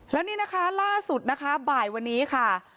แล้วนี่นะคะล่าสุดนะคะบ่ายวันนี้ค่ะ